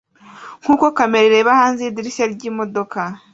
Nkuko kamera ireba hanze yidirishya ryimodoka